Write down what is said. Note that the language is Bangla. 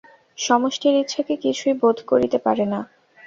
সমষ্টির ইচ্ছাকে কিছুই রোধ করিতে পারে না।